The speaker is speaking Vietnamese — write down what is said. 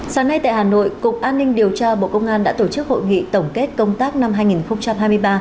sáng nay tại hà nội cục an ninh điều tra bộ công an đã tổ chức hội nghị tổng kết công tác năm hai nghìn hai mươi ba